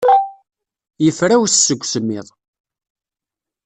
Yefrawes seg usemmiḍ.